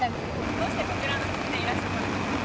どうしてこちらの靴でいらっしゃったんですか。